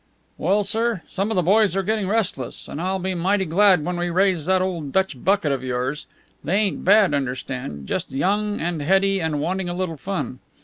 "Well, sir, some of the boys are getting restless. And I'll be mighty glad when we raise that old Dutch bucket of yours. They ain't bad, understand; just young and heady and wanting a little fun.